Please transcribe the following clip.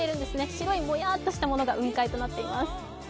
白いもやーっとしたものが雲海となっています。